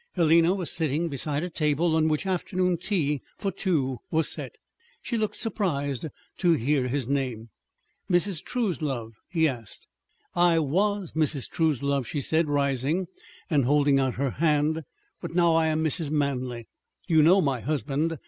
Helena was sitting beside a table on which afternoon tea for two was set. She looked surprised to hear his name. "Mrs. Truslove?" he said. "I was Mrs. Truslove," she said, rising and holding out her hand. "But now I am Mrs. Manley. You know my husband.